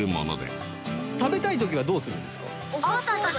食べたい時はどうするんですか？